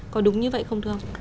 có đúng như vậy không thưa ông